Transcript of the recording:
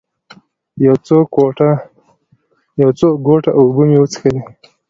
یو څو ګوټه اوبه مې وڅښلې.